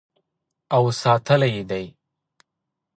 او ساتلی یې دی.